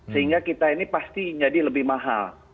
sehingga kita ini pasti jadi lebih mahal